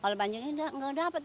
kalau banjir ini gak dapet